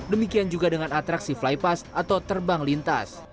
demikian juga dengan atraksi fly pass atau terbang lintas